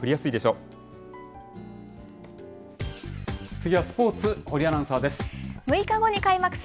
次はスポーツ、堀アナウンサーです。